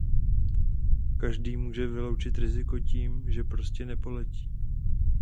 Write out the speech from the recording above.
Každý může vyloučit riziko tím, že prostě nepoletí.